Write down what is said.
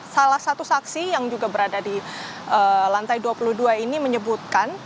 salah satu saksi yang juga berada di lantai dua puluh dua ini menyebutkan